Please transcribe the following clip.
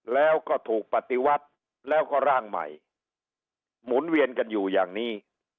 แล้วก็ถูกปฏิวัติแล้วก็ร่างใหม่หมุนเวียนกันอยู่อย่างนี้